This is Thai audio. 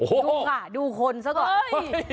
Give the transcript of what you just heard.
โอ้โหดูค่ะดูคนซะก่อน